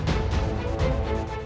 aku mengaminku tolong